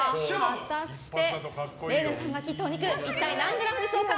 果たしてＲＥＩＮＡさんが切ったお肉一体何グラムでしょうか。